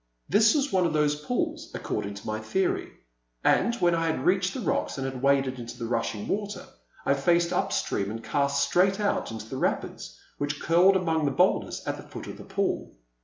This was one of those pools, according to my theory ; and when I had reached the rocks and had waded into the rushing water, I faced up stream and cast straight out into the rapids which curled among the boulders at the foot of the pool.